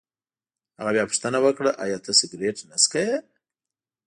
هغه بیا پوښتنه وکړه: ایا ته سګرېټ نه څکوې؟